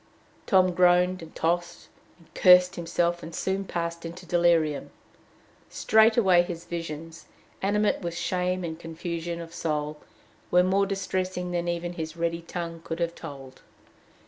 Tom groaned and tossed, and cursed himself, and soon passed into delirium. Straightway his visions, animate with shame and confusion of soul, were more distressing than even his ready tongue could have told.